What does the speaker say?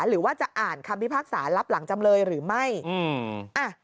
หรือว่าจะอ่านคำพิพากษารับหลังจำเลยหรือไม่อืมอ่ะ